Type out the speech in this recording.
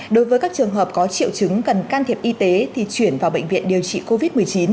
đối với các trường hợp có triệu chứng cần can thiệp y tế thì chuyển vào bệnh viện điều trị covid một mươi chín